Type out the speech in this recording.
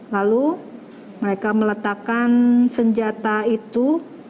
lalu mereka meletakkan senjata itu